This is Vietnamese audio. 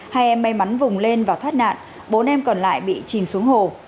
hai em may mắn vùng lên và thoát nạn bốn em còn lại bị chìm xuống hồ